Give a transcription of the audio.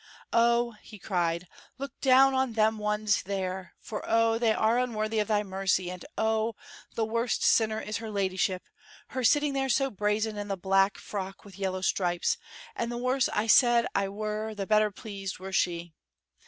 "Oh," he cried, "look down on them ones there, for, oh, they are unworthy of Thy mercy, and, oh, the worst sinner is her ladyship, her sitting there so brazen in the black frock with yellow stripes, and the worse I said I were the better pleased were she.